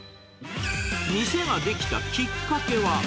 店が出来たきっかけは。